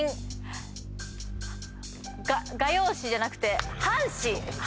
画用紙じゃなくて半紙！